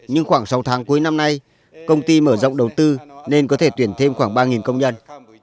nhưng khoảng sáu tháng cuối năm nay công ty mở rộng đầu tư nên có thể tuyển thêm khoảng ba công nhân